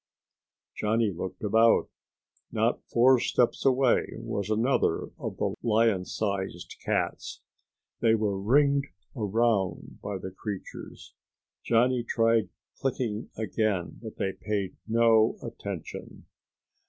Johnny looked about. Not four steps away was another of the lion sized cats. They were ringed around by the creatures. Johnny tried clicking again, but they paid no attention.